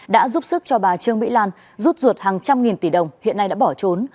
đã giúp sức cho bà trương mỹ lan rút ruột hàng trăm nghìn tỷ đồng hiện nay đã bỏ trốn